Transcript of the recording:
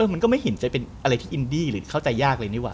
มันก็ไม่เห็นที่จะเป็นอินดี้หรือเข้าใจยากเลยในที่ว่า